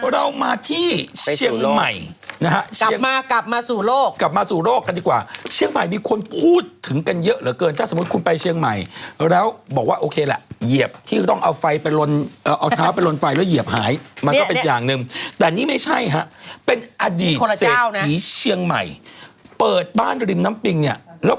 เรามาที่เชียงใหม่นะฮะเชียงใหม่กลับมากลับมาสู่โลกกลับมาสู่โลกกันดีกว่าเชียงใหม่มีคนพูดถึงกันเยอะเหลือเกินถ้าสมมุติคุณไปเชียงใหม่แล้วบอกว่าโอเคแหละเหยียบที่ต้องเอาไฟไปลนเอาเท้าไปลนไฟแล้วเหยียบหายมันก็เป็นอย่างหนึ่งแต่นี่ไม่ใช่ฮะเป็นอดีตเศรษฐีเชียงใหม่เปิดบ้านริมน้ำปิงเนี่ยแล้ว